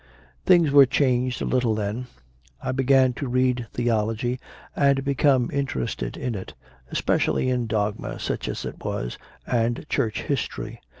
CONFESSIONS OF A CONVERT 29 Things were changed a little then; I began to read theology and became interested in it, especially in dogma, such as it was, and Church history.